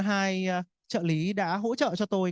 hai trợ lý đã hỗ trợ cho tôi